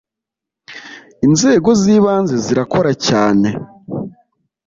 Inzego z’ ibanze zirakora cyane.